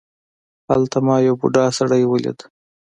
هلته ما یو بوډا سړی ولید.